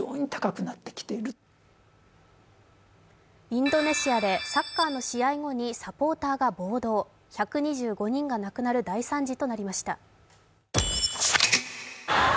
インドネシアでサッカーの試合後にサポーターが暴動、１２５人が亡くなる大惨事となりました。